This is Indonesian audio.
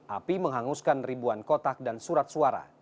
api menghanguskan ribuan kotak dan surat suara